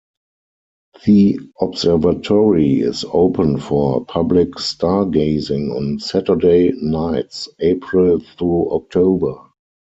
The observatory is open for public stargazing on Saturday nights April through October.